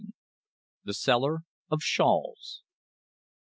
THE SELLER OF SHAWLS.